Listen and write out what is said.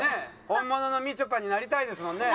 本物のみちょぱになりたいですもんね。